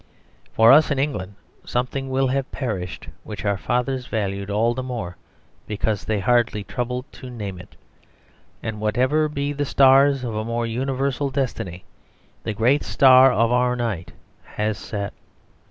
For us in England something will have perished which our fathers valued all the more because they hardly troubled to name it; and whatever be the stars of a more universal destiny, the great star of our night has set.